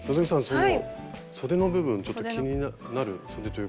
そのそでの部分ちょっと気になるそでというか。